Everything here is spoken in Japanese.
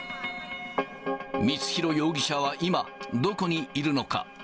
光弘容疑者は今、どこにいるのか。